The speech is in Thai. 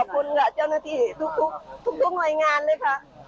ขอบคุณค่ะเจ้าหน้าที่ทุกหน่วยงานเลยค่ะ